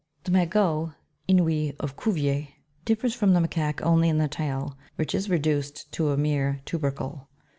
18. The MAGOT (Inuus of Cuvier) differs from the Macaque only in the tail, which is reduced to a mere tubercle.